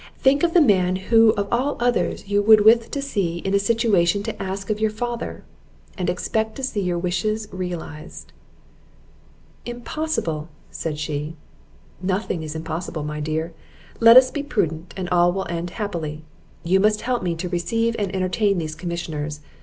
Think of the man who of all others you would with to see in a situation to ask you of your father, and expect to see your wishes realized." "Impossible!" said she. "Nothing is impossible, my dear; let us be prudent, and all will end happily. You must help me to receive and entertain these commissioners.